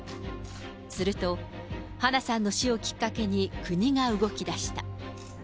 すると花さんの死をきっかけに国が動きだした。